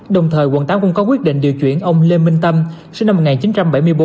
đồng thời quận tám cũng có quyết định điều chuyển ông lê minh tâm sinh năm một nghìn chín trăm bảy mươi bốn